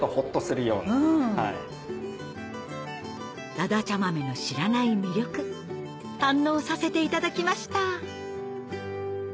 だだちゃ豆の知らない魅力堪能させていただきました